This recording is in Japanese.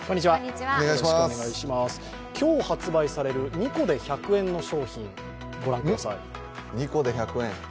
今日発売される２個で１００円の商品、御覧ください。